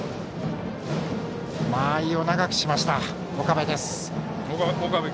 間合いを長くしました、岡部。